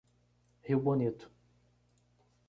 Rio Bonito